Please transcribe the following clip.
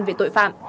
về tội phạm